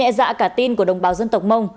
lợi dụng sự nhẹ dạ cả tin của đồng bào dân tộc mông